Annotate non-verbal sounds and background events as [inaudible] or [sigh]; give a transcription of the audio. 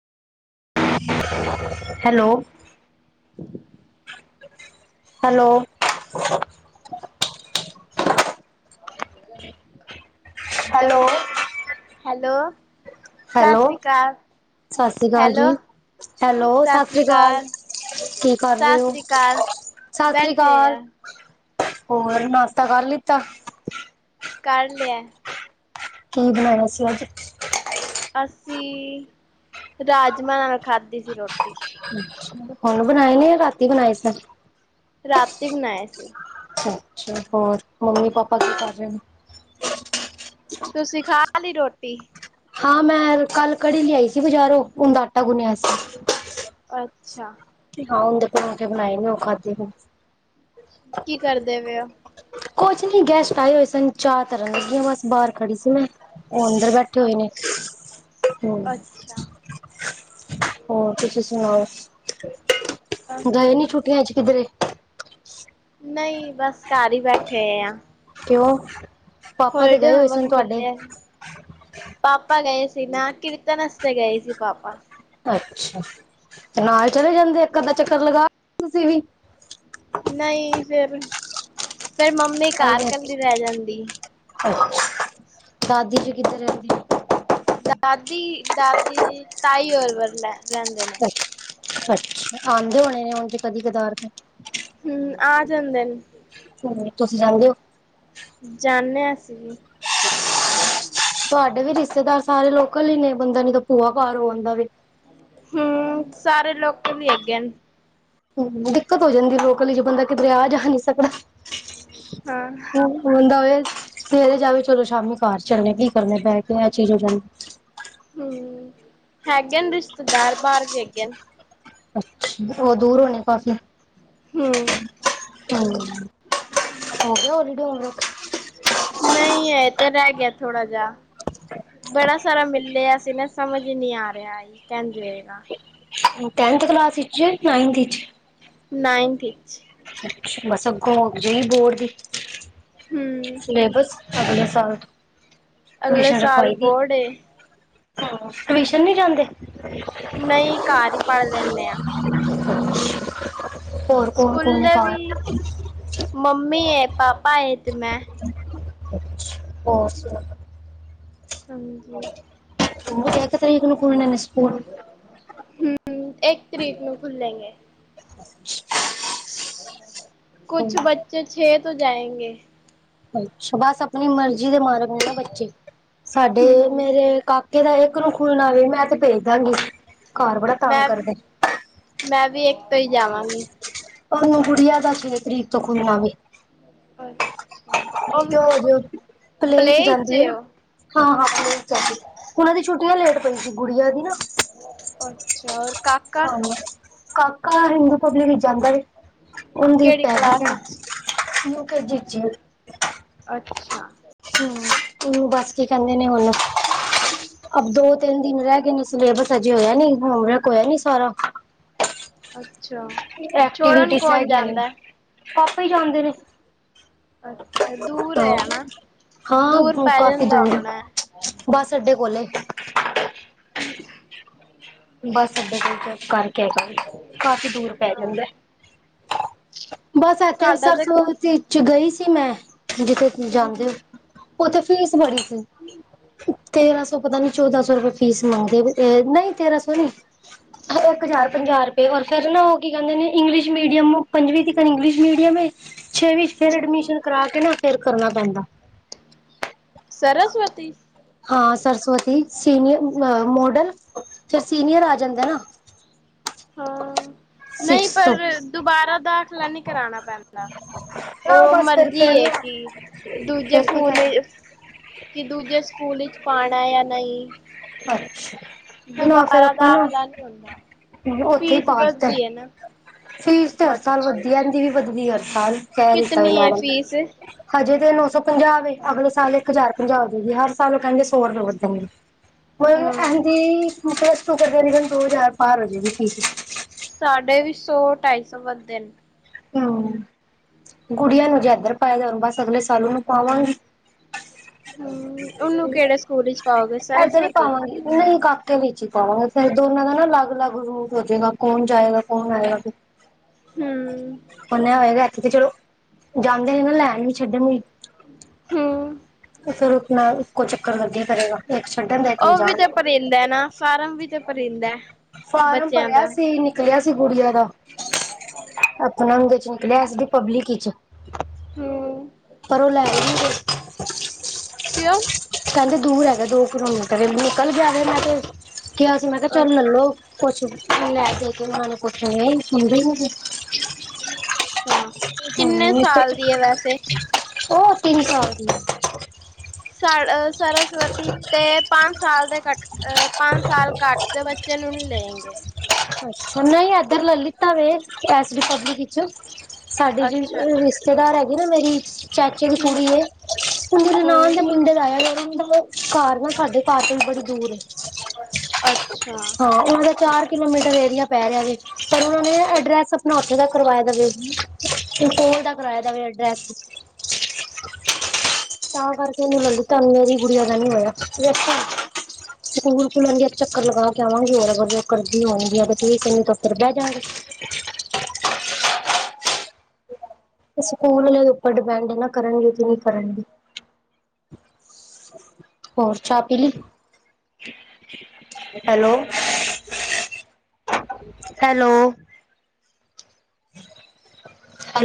Hello, ਆਸਾ। Hello, hello, hello Sat Sri hello ਅਕਾਲ। ਸਤਿ ਸ਼੍ਰੀ ਅਕਾਲ hello ਜੀ, hello Sat Sri ਅਕਾਲ। ਕੀ ਕਰ ਸਤਿ ਰਹੇ ਹੋ? ਸ੍ਰੀ ਅਕਾਲ ਸਤਿ ਸ੍ਰੀ ਬੈਠੇ ਅਕਾਲ। ਆ ਹੋਰ ਨਾਸ਼ਤਾ ਕਰ ਲਿਤਾ? ਕਰ ਲਿਆ। ਕੀ ਬਣਾਇਆ ਸੀ ਅੱਜ? ਅਸੀਂ ਰਾਜਮਾਂ ਨਾਲ ਖਾਧੀ ਸੀ ਰੋਟੀ। ਹੁਣ ਬਣਾਏ ਨੇ ਰਾਤੀ ਬਣਾਏ ਸੀ। ਰਾਤੀ ਬਣਾਏ ਸੀ। ਹੋਰ ਮੰਮੀ ਪਾਪਾ ਕੀ ਕਰ ਰਹੇ ਨੇ? ਤੁਸੀਂ ਖਾ ਲਈ ਰੋਟੀ? ਹਾਂ ਮੈਂ ਕੱਲ ਕੜੀ ਲਿਆਈ ਸੀ, ਬਜ਼ਾਰੋਂ ਔਦਾ ਆਟਾ ਗੁਨਿਆ ਸੀ । ਅੱਛਾ, ਹਾਂ ਔਦੇ ਪਰੌਂਠੇ ਬਣਾਏ ਨੇ ਉਹ ਖਾਧੇ ਫ ਕੀ ਕਰਦੇ ਪਏ ਔ? ਕੁਝ ਨੀ ਗੈਸਟ ਆਏ ਹੋਏ ਸਨ, ਚਾਹ ਤਰਨ ਲੱਗੀ ਆਂ ਬਸ ਬਾਹਰ ਖੜੀ ਸੀ ਮੈਂ। ਉਹ ਅੰਦਰ ਬੈਠੇ ਹੋਏ ਨੇ। ਅੱਛਾ ਹੂੰ ਅੱਛਾ ਹੋਰ ਤੁਸੀਂ ਸੁਣਾਓ? ਅਸੀਂ ਗਏ ਨੀ ਛੁੱਟੀਆਂ ਚ ਕਿੱਧਰੇ? ਨਹੀਂ ਬਸ ਘਰ ਹੀ ਬੈਠੇ ਆ, ਕਿਉਂ ਪਾਪਾ ਤੇ ਹੋਲੀਡੇ ਗਏ ਹੋਏ ਹੋਮਵਰਕ ਸਨ ਤੁਹਾਡੇ? ਮਿਲਿਆ ਪਾਪਾ ਗਏ ਸੀ ਨਾ, ਕੀਰਤਨ ਆਸਤੇ ਗਏ ਸੀ ਪਾਪਾ, ਅੱਛਾ, ਤੇ ਨਾਲ ਚਲੇ ਜਾਂਦੇ ਇੱਕ ਅੱਧਾ ਚੱਕਰ ਲਗਾ ਤੁਸੀਂ ਵੀ ਨਹੀਂ ਫਿਰ, ਫੇਰ ਮੰਮੀ ਘਰ ਕੱਲੀ ਰਹਿ ਜਾਂਦੀ। ਦਾਦੀ ਜੀ ਕਿੱਧਰ ਦੀ ਸਿਆਣਪ ਨਾਲ ਹੀ ਹੋ। ਦਾਦੀ-ਦਾਦੀ, ਤਾਈ ਔਰਰ ਬਰਲਾ ਅੱਛਾ, ਆਦੇ ਹੋਣੇ ਨੇ ਔ ਵੀ ਕਦੀ ਕਦਾਨ, ਹੂੰ ਆ ਜਾਂਦੇ ਨੇ, ਤੁਸੀਂ ਜਾਂਦੇ ਔ? ਜਾਨੇ ਆ ਅਸੀ ਵੀ, ਤੁਹਾਡੇ ਵੀ ਰਿਸ਼ਤੇਦਾਰ ਸਾਰੇ ਲੋਕਲ ਹੀ ਨੇ ਬੰਦਾ ਨੀ ਤਾਂ ਭੂਆ ਘਰ ਹੋ ਆਦਾ ਵੇ। ਹਮ ਸਾਰੇ ਲੋਕਲ ਹੀ ਹੈਗੇ ਨ। ਹਮ ਦਿੱਕਤ ਹੋ ਜਾਂਦੀ ਲੋਕਲ ਇਚ ਬੰਦਾ ਕਿਧਰੇ ਆ ਜਾ ਨੀ ਸਕਦਾ। ਹਾਂ ਹ ਹੁੰਦਾ ਵੇ ਸਵੇਰੇ ਜਾਵੇ ਚਲੋ ਸ਼ਾਮੀ ਕਾਰ ਚੱਲਨੇ ਕੀ ਕਰਨਾ ਬਹਿ ਕੇ ਇਹ ਚੀਜ਼ ਹੋ ਜਾ ਹਮ ਹੈਗੇ ਰਿਸ਼ਤੇਦਾਰ ਬਾਹਰ ਵੀ ਹੈਗੇ। ਅੱ ਉਹ ਦੂਰ ਹੋਣੇ ਕਾਫੀ। ਹਮ। ਹਮ ਹੋ ਗਿਆ ਹੋਲੀਡੇ ਹੋਮਵਰਕ? ਨਹੀਂ ਹੈ ਤਾਂ ਰਹਿ ਗਿਆ ਥੋੜਾ ਜਾ। ਬੜਾ ਸਾਰਾ ਮਿਲਿਆ ਸੀ ਨਾ ਸਮਝ ਹੀ ਨਹੀਂ ਆ ਰਿਹਾ ਸੀ ਕਿੰਜ ਹੋਏਗਾ। ਟੈਨਥ [unintelligible] ਨਾਇੰਥ ਇਚ। ਬਸ ਅੱਗੋਂ ਜਿਹੀ ਬੋਰਡ ਦੀ ਹੂੰ ਸਿਲੇਬਸ ਅਗਲੇ ਸਾਲ। ਅਗਲੇ ਟਊਸ਼ਨ ਸਾਲ ਰਖਵਾਈ ਦੀ, ਬੋਰਡ ਏ। ਟਵੀਸ਼ਨ ਨੀ ਜਾਂਦੇ? ਨਹੀਂ ਘਰ ਹੀ ਪੜ੍ਹ ਲੈਨੇ ਆ। ਹਮ। ਸਕੂਲੇ ਵੀ ਮੰਮੀ ਹੈ ਪਾਪਾ ਤੇ ਮੈਂ। ਹੋਰ ਸੁ ਹਾਂਜੀ। ਤੇ ਇੱਕ ਤਾਰੀਕ ਨੂੰ ਖੁੱਲਣੇ ਨੇ ਸ ਹਮ ਇੱਕ ਤਰੀਕ ਨੂੰ ਖੁਲੇਗੇ। ਕੁਛ ਬੱਚੇ ਛੇ ਤੋਂ ਜਾਏਂਗੇ। ਅੱਛਾ ਬਸ ਆਪਣੀ ਮਰਜ਼ੀ ਦੇ ਮਾਲਕ ਨੇ ਬੱਚੇ ਸਾਡੇ ਮੇਰੇ ਕਾ ਇਦਾ ਇੱਕ ਨੂੰ ਖੁੱਲਣਾ ਵੀ ਮੈਂ ਤੇ ਭੇਜ ਦਾਂਗੀ। ਘਰ ਬੜਾ ਤੰਗ ਮੈਂ, ਕਰਦੇ ਮੈਂ ਵੀ ਇੱਕ ਤੋਂ ਹੀ ਜਾਵਾਂਗੀ। ਉਹਨੂੰ ਗੁੜੀਆਂ ਦਾ ਛੇ ਤਰੀਕ ਤੋਂ ਖੁੱਲਣਾ ਵੀ। ਅੱਛਾ ਉਹ। ਜੋ ਪਲੇ ਚ ਜਾਂਦੀ ਹੈ ਨਾ ਹਾਂ-ਹਾਂ ਪਲੇ ਚ ਜਾਂਦੀ ਉਹਨਾਂ ਦੀ ਛੁੱਟੀਆਂ ਲੇਟ ਪਈ ਸੀ ਗੁੜੀਆਂ ਦੀ ਨਾ। ਅੱਛਾ ਔਰ ਕਾਕਾ? ਹਾਂ ਕਾਕਾ ਹਿੰਦੂ ਪਬਲਿਕ ਵਿੱਚ ਜਾਂਦਾ ਵੇ ਉਹਦੀ ਕਿਹੜੀ ਪੈ ਕਲਾਸ ਵਿੱਚ ਯੂਕੇਜੀ ਇਚ ਏ ਹਾਂ। ਅੱਛਾ ਹਮ ਬਸ ਕੀ ਕਹਿੰਦੇ ਨੇ ਹੁਨ ਅਬ ਦੋ ਤਿੰਨ ਦਿਨ ਰਹਿ ਗਏ ਨੇ ਸ ਸਿਲੇਬਸ ਅਜੇ ਹੋਇਆ ਨੀ ਹੋਮਵਰਕ ਹੋਇਆ ਨੀ ਸਾਰਾ। ਅੱਛਾ ਛੋੜਨ ਐਕਟੀਵਿਟੀਜ਼ ਰਹਿ ਕੌਣ ਗਈਆਂ ਨੇ ਜਾਂਦਾ। ਪਾਪਾ ਹੀ ਜਾਂਦੇ ਨੇ ਅੱਛਾ ਦੂਰ ਆ ਨਾ। ਦੂਰ ਹਾਂ ਪੈ ਕਾਫੀ ਜਾਂਦਾ ਦੂਰ ਆ ਹੋਣਾ ਬਸ ਅੱਡੇ ਕੋਲ ਏ। ਬਸ ਅੱਡੇ ਕੋਲ ਕਰਕੇ ਜਾ ਕਾਫੀ ਦੂਰ ਪੈ ਜਾਂਦਾ। ਹਾਂ ਬਸ ਇੱਥੇ ਸਾਡਾ ਤਾਂ ਸਰਸਵਤੀ ਚ ਗਈ ਸੀ ਮੈਂ, ਜਿੱਥੇ ਤੁ ਹੂੰ ਜਾਂਦੇ ਹੋ। ਉੱਥੇ ਫੀਸ ਬੜੀ ਸੀ। ਤੇਰਾਂ ਸੌ ਪਤਾ ਨੀ ਚੌਦਾਂ ਸੌ ਰੁਪਏਆ ਫੀਸ ਮੰਗਦੇ ਨਹੀਂ ਤੇਰਾਂ ਸੌ ਇੱਕ ਹਜ਼ਾਰ ਪੰਜਾਹ ਰੁਪਏ ਔਰ ਫੇਰ ਨਾ ਉਹ ਕੀ ਕਹਿੰਦੇ ਨੇ ਇੰਗਲਿਸ਼ ਮੀਡੀਅਮ ਪੰਜਵੀ ਤਿਕਨ ਇੰਗਲਿਸ਼ ਮੀਡੀਅਮ ਏ। ਛੇਵ ਚ ਫੇਰ ਹੂੰ ਐਡਮਿਸ਼ਨ ਕਰਾ ਕੇ ਨਾ ਫੇਰ ਕਰਨਾ ਪੈਂਦਾ। ਸਰਸਵਤੀ? ਹਾਂ ਸਰਸਵਤੀ। ਸੀਨੀਅਰ ਮੋਡਲ ਫਿਰ ਸੀਨੀਅਰ ਆ ਜਾਂਦਾ ਨਾ। ਹਮ ਨਹੀਂ ਸਿਕਸ ਪਰ ਤੋਂ ਦੁਬਾਰਾ ਦਾਖਲਾ ਨਹੀਂ ਕਰਾਣਾ ਪੈਂਦਾ। ਨਾ ਉਹ ਬਸ ਫਿਰ ਮਰਜੀ ਫਿਰ ਹੈ ਕਿ ਦੂਜੇ ਫਿਰ ਕੀ ਫੋਨ ਕਰ ਕਿ ਦੂਜੇ ਸਕੂਲ ਚ ਪਾਣਾ ਯਾ ਨਹੀਂ। ਅੱਛਾ, ਨਾ ਫੇਰ ਦੁਬਾਰਾ ਆਪਾਂ ਨਾ ਦਾਖਲਾ ਨਹੀਂ ਹੁੰਦਾ ਉੱਥੇ ਈ ਫੀਸ ਪਾ ਦਿਤੇ ਵੱਧਦੀ ਹੈ ਨਾ ਫੀਸ ਤੇ ਹਰ ਸਾਲ ਅੱਛਾ ਵਧਦੀ ਏੰਦੀ ਵੀ ਵਧਦੀ ਹਰ ਸਾਲ। ਕਹਿ ਦਿੱਤਾ ਵੇ ਕਿਤਨੀ ਹੈ ਮੈਡਮ ਫੀਸ ਹਜੇ ਤੇਨੂੰ ੳ ਪੰਜਾਹ ਵੇ ਅਗਲੇ ਸਾਲ ਏਕ ਹਜਾਰ ਪੰਜਾਹ ਹੋ ਜੇ ਗੀ ਹਰ ਸਾਲ ਉਹ ਕਹਿੰਦੇ ਸੌ ਰੁਪਏ ਵਧਣਗੇ ਮ ਹਾਂ ਏਹਿੰਦੀ ਪਲੱਸ ਟੂ ਕਰ ਤਕਰੀਬਨ ਦੋ ਹਜ਼ਾਰ ਪਾਰ ਹੋ ਜੇਗੀ ਫੀਸ ਸਾਢੇ ਵੀ ਸੌ ਢਾਈ ਸੌ ਵੱਦੇ ਨੇ [inaudible] ਗੁੜੀਆਂ ਨੂੰ ਜੇ ਏਧਰ ਪਾਇਆ ਦੇ ਬਸ ਅਗਲੇ ਸਾਲ ੳਨੂੰ ਪਾਵਾਂਗੀ ਹਾਂ ਏਧਰ ਈ ਪਾਵਾਂਗੀ ਨਹੀਂ ਕਾਕੇ ਵਿੱਚ ਈ ਪਾਵਾਂਗੇ ਫੇਰ ਦੋਨਾਂ ਦਾ ਨਾ ਲੱਗ ਲੱਗ ਰੂਟ ਹੋ ਜੇਗਾ ਕੌਨ ਜਾਏਗਾ ਕੌਨ ਆਏਗਾ ਫ ਹਮ ਤੇ ਚਲੋ, ਜਾਂਦੇ ਨੇ ਨਾ ਲੈਣ ਵੀ ਛੱਡਣ ਵੀ ਹਮ ਤੇ ਫਿਰ ਅਪਨਾ ਇੱਕੋ ਚੱਕਰ ਲੱਗਿਆ ਕਰੇਗਾ ਇੱਕ ਛੱਡਣ ਦਾ ਇੱਕ ਲਿਜਾਣ ਦਾ ਹੇ ਨਾ ਫਾਰਮ ਵੀ ਤੇ ਭਰੀਂਦੇ ਫਾਰਮ ਬੱਚਿਆਂ ਭਰਿਆ ਦਾ ਅਪਨਾ ੳਨਦੇ ਚ ਨਿਕਲਿਆ ਸੀ ਰੀ ਪਬਲਿਕ ਚ ਹਮ ਪਰ ਉਹ ਲੈ ਈ ਨੀ ਰੇ ਕਿਉਂ ਕਹਿੰਦੇ ਦੂਰ ਹੈਗੇ ਦੋ ਕਰੋਨਾ ਕ ਨਿਕਲ ਗਿਆ ਮੈਂ ਤੇ ਕਿਹਾ ਸੀਂ ਮੈਂ ਕਿਹਾ ਚਲ ਲੈਲੋ, ਕੁੱਛ ਲੈ ਕੇ [unintelligible] ਨੂੰ ਪੁੱਛ ਆ ਸੁਣਦੇ ਈ ਨੀ ਅੱਛਾ ਕਿੰਨੇ ਸੀ ਸਾਲ ਦੀ ਹੈ ਵੈਸੇ [unintelligible] ਉਹ ਤਿੰਨ ਸੌ ਦੀ ਸਾ ਸਰਸਵਤੀ ਚ ਤੇ ਪੰਜ ਸਾਲ ਦੇ ਘਟੋ ਪੰਜ ਸਾਲ ਘੱਟ ਦੇ ਬੱਚੇ ਨੂੰ ਨਹੀਂ ਲੈਣਗੇ ਹ ਅੱਛਾ ਨਹੀਂ ਏਧਰ ਲੈ ਲਿੱਤਾ ਵੇ ਏਸ ਡੀ ਪਬਲਿਕ ਇਚ ਸਾਡੀੇ ਜੇੜੀ ਅੱਛਾ ਰਿਸ਼ਤੇਦਾਰ ਹੈਗੀ ਨਾ ਮੇਰੀ ਚਾਚੇ ਦੀ ਕੁੜੀ ਏ ਹੂੰ ਉਨਦੇ ਨਨਾਨ ਦੇ ਹੂੰ ਮੁ ਪਿੰਡ ਲਾਇਆ ਫੇਰ ੳਹ ਘਰ ਨਾ ਸਾਡੇ ਘਰ ਤੋਂ ਬੜੀ ਦੂਰ ਏ, ਅੱਛਾ ਹਾਂ ਉਹਨਾਂ ਦੇ ਚਾਰ ਕਿਲੋਮੀਟਰ ਏਰੀਆ ਪੈ ਰਿਹਾ ਵਿਚ ਪਰ ਉਹਨਾਂ ਨੇ ਐਡਰੈਸ ਅਪਨਾ ਉੱਥੇ ਦਾ ਕਰਵਾਇਆ ਦੇਵੇ ਹੁਨ ਕੋਲ ਦਾ ਕਰਆ ਦਾਵੇ ਅਡਰੈਸ ਹ ਤਾਂ ਕਰਕੇ ਨੀ ਮਿਲਦੀ ਤੁਹਾਨੂੰ ਮੇਰੀ ਗੁੜੀਆ ਦਾ ਨਹੀਂ ਹੋਇਆ ਸਕੂਲ ਖੁੱਲਨਗੇ ਇੱਕ ਚੱਕਰ ਲਗਾ ਕੇ ਆਵਾਂਗੀ, ਹੋਰ ਅਗਰ ਉਹ ਕਰਦੀ ਹੋਨਗੀਆ ਤੇ ਠੀਕ ਏ ਨਹੀਂ ਤਾਂ ਫਿਰ ਬਹਿ ਜਾਂਗੇ। ਮ ਸਕੂਲ ਆਲੇਆ ਦੇ ਉੱਪਰ ਡਿਪੈਂਡ ਏ ਨਾ, ਕਰਨਗੇ ਕਿ ਨਹੀਂ ਕਰਨਗੇ। ਹ ਹੋਰ, ਚਾਹ ਪੀਲੀ? ਹੈਲੋ ਹੈਲੋ ਹੈਲ